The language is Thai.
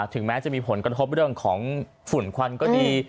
ถึงแม้จะมีผลกระทบเรื่องของฝุ่นควันก็ดี